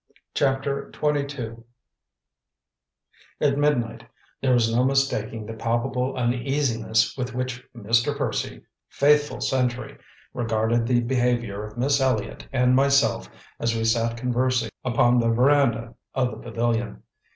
CHAPTER XXII At midnight there was no mistaking the palpable uneasiness with which Mr. Percy, faithful sentry, regarded the behaviour of Miss Elliott and myself as we sat conversing upon the veranda of the pavilion.